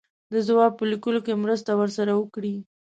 د جواب په لیکلو کې مرسته ورسره وکړي.